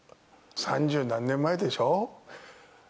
三十何年前でしょ。